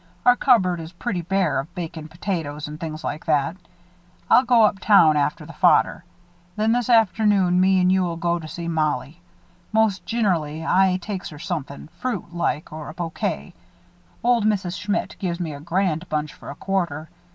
"Our cupboard is pretty bare of bacon, potatoes, and things like that. I'll go up town after the fodder. Then this afternoon, me and you'll go to see Mollie. Most ginerally I takes her somethin' fruit like, or a bouquet old Mrs. Schmidt gives me a grand bunch for a quarter.